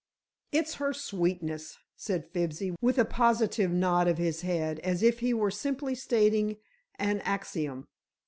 "It's her sweetness," said Fibsy, with a positive nod of his head, as if he were simply stating an axiom.